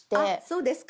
そうですか。